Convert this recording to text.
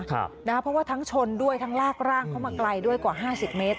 เพราะว่าทั้งชนด้วยทั้งลากร่างเข้ามาไกลด้วยกว่า๕๐เมตร